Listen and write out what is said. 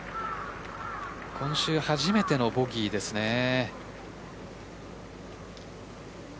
今週、初めてのボギーですね。